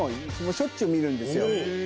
しょっちゅう見るんですよ。